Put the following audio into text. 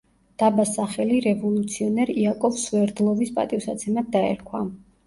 დაბას სახელი რევოლუციონერ იაკოვ სვერდლოვის პატივსაცემად დაერქვა.